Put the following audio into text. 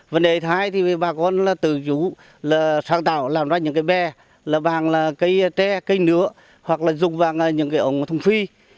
vấn đề thứ hai thì bà con là tự dụ là sáng tạo làm ra những cái bè là bằng là cây tre cây nứa hoặc là dùng bằng những cái ống thùng phi